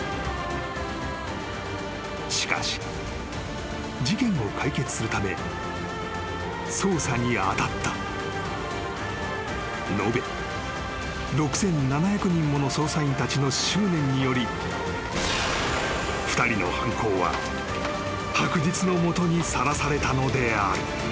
［しかし事件を解決するため捜査に当たった延べ６，７００人もの捜査員たちの執念により２人の犯行は白日の下にさらされたのである］